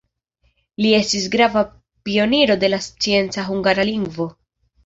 Li estis grava pioniro de la scienca hungara lingvo.